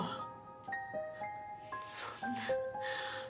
そんな。